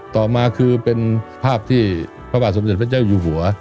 ต่อมาคือเป็นภาพที่พระบาทสมเด็จพระเจ้าอยู่หัว